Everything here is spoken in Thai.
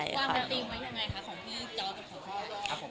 นึกดีไหมยังไงของพี่จอสกับสมาธิ